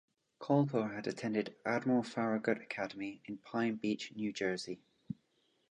Colepaugh had attended Admiral Farragut Academy in Pine Beach, New Jersey.